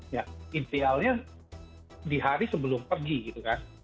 ya idealnya di hari sebelum pergi gitu kan